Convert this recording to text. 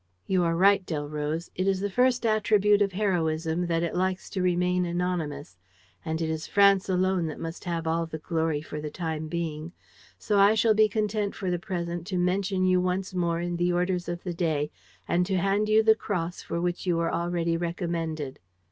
"You are right, Delroze. It is the first attribute of heroism that it likes to remain anonymous; and it is France alone that must have all the glory for the time being. So I shall be content for the present to mention you once more in the orders of the day and to hand you the cross for which you were already recommended."